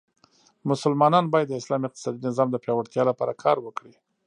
مسلمانان باید د اسلام اقتصادې نظام د پیاوړتیا لپاره کار وکړي.